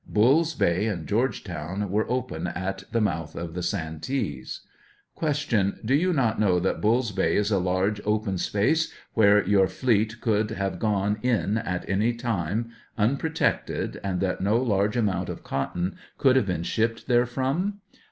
Bull's Bay and Georgetown were open at the mouth of the Santee. Q. Do you not know that Bull's Bay is a large open space, where your fleet could have gone in at any time unprotected, and that no large amount of cotton could have been shipped therefrom?